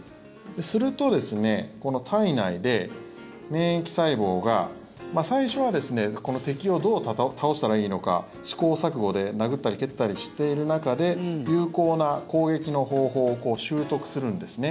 すると、体内で免疫細胞が最初は敵をどう倒したらいいのか試行錯誤で殴ったり蹴ったりしてる中で有効な攻撃の方法を習得するんですね。